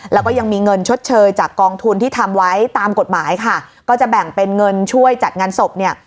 แล้วก็ยังมีเงินชดเชยจากกองทุนที่ทำไว้ตามกฎหมายค่ะก็จะแบ่งเป็นเงินช่วยจัดงานศพเนี่ย